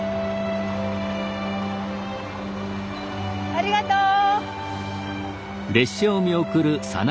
ありがとう。